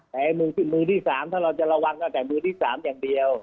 แต่มือที่๓ถ้าเราจะระวังตั้งแต่มือที่๓อย่างเดียว